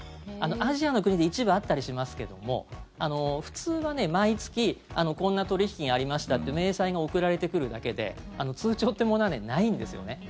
アジアの国で一部あったりしますけども普通は毎月こんな取引がありましたって明細が送られてくるだけで通帳ってものはないんですよね。